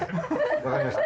わかりました